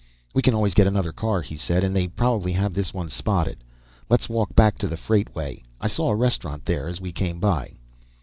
"We can always get another car," he said, "and they probably have this one spotted. Let's walk back to the freightway, I saw a restaurant there as we came by."